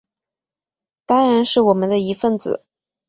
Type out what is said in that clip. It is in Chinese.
当然是我们的一分子